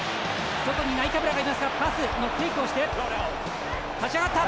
外にナイカブラがいますがパスのテークをして立ち上がった！